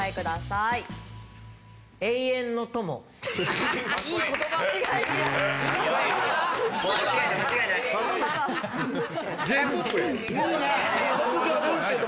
いいね！